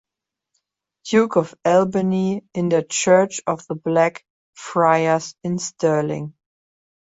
Duke of Albany, in der Church of the Black Friars in Stirling.